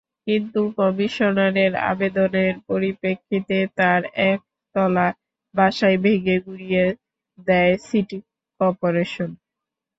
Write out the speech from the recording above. কিন্তু কমিশনারের আবেদনের পরিপ্রেক্ষিতে তাঁর একতলা বাসাই ভেঙে গুঁড়িয়ে দেয় সিটি করপোরেশন।